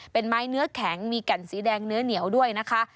เป็นไม้เนื้อแข็งมีแก่นสีแดงเนื้อเหนียวด้วยนะคะ